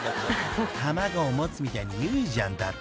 ［卵を持つみたいに言うじゃんだって］